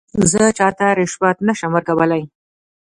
زه چاته رشوت نه شم ورکولای.